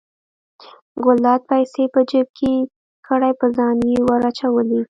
ګلداد پیسې په جب کې کړې په ځان یې ور واچولې.